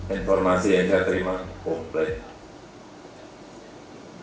informasi yang saya terima komplek